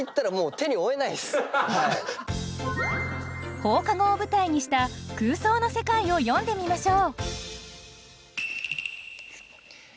放課後を舞台にした空想の世界を詠んでみましょう。